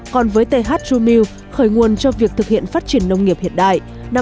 còn với th true milk khởi nguồn cho việc thực hiện phát triển nông nghiệp hiện đại